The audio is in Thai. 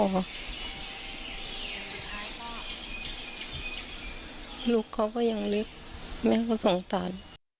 ลูกเขาก็ยังเล็กแม่ก็สงสาร